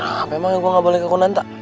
ya apa emang yang gua gak balik ke kunanta